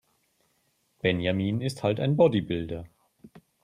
Benjamin ist halt ein Bodybuilder.